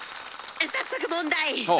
早速問題！